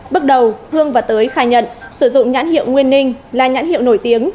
bước đầu hương và tới khai nhận sử dụng nhãn hiệu nguyên ninh là nhãn hiệu nổi tiếng